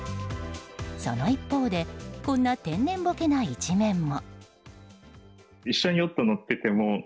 その一方でこんな天然ボケな一面も。